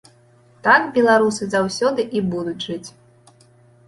Так беларусы заўсёды і будуць жыць.